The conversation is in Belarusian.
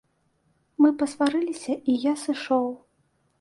Мы пасварыліся, і я сышоў.